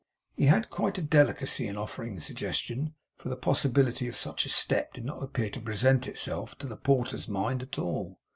He had quite a delicacy in offering the suggestion, for the possibility of such a step did not appear to present itself to the porter's mind at all.